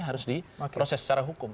harus diproses secara hukum